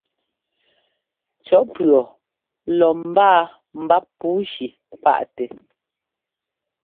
Cɔ́ pʉ̈ɔ lɔ mbáa mbáp pǔushi páʼtɛ́.